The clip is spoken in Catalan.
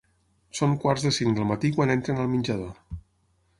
Són quarts de cinc del matí quan entren al menjador.